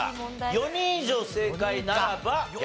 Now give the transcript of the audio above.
４人以上正解ならば逆転勝利。